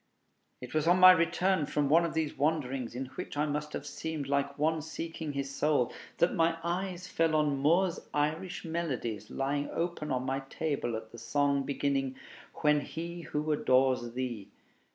It was on my return from one of these wanderings, in which I must have seemed like one seeking his soul, that my eyes fell on Moore's 'Irish Melodies,' lying open on my table at the song beginning "When he who adores thee."